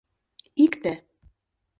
— Икте.